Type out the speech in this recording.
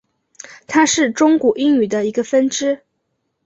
它是中古英语的一个分支。